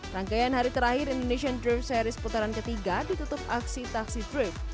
rangkaian hari terakhir indonesian drift series putaran ketiga ditutup aksi taksi drift